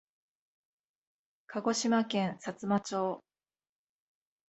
鹿児島県さつま町